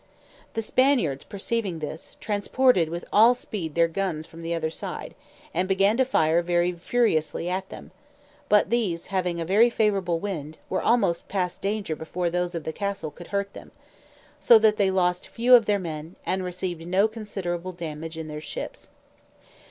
The Spaniards perceiving this, transported with all speed their guns from the other side, and began to fire very furiously at them; but these having a very favourable wind, were almost past danger before those of the castle could hurt them; so that they lost few of their men, and received no considerable damage in their ships.